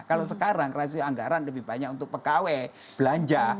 kalau sekarang rasio anggaran lebih banyak untuk pegawai belanja